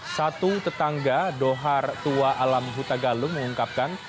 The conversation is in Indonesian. satu tetangga dohar tua alam huta galung mengungkapkan